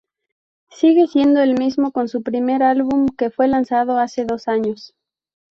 Sigue siendo el mismo con su primer álbum que fue lanzado hace dos años.